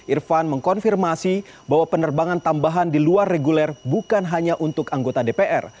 irvan mengkonfirmasi bahwa penerbangan tambahan diluar reguler bukan hanya untuk anggota dpr